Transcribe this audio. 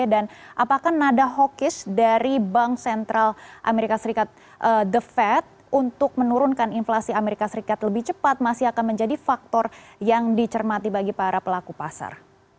apakah nada hawkish dari bank sentral amerika serikat the fed untuk menurunkan inflasi amerika serikat lebih cepat masih akan menjadi faktor yang dicermati bagi para pelaku pasar